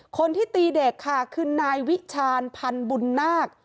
คนที่ตีเด็กค่ะคือนายวิชาญพันธ์บุญนาค